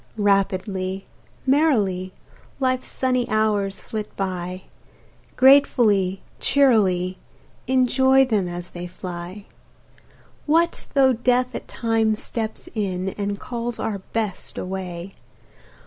Rapidly, merrily, Life's sunny hours flit by, Gratefully, cheerily, Enjoy them as they fly. What though death at times steps in, And calls our Best away?